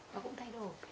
nó cũng thay đổi